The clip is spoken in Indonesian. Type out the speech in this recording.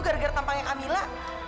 gara gara tampangnya kamila